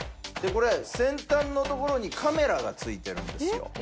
これ先端の所にカメラが付いてるんですよ。